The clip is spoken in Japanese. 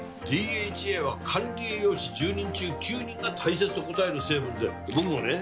ＤＨＡは管理栄養士１０人中９人が大切と答える成分で僕もね